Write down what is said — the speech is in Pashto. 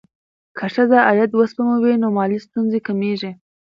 که ښځه عاید وسپموي، نو مالي ستونزې کمېږي.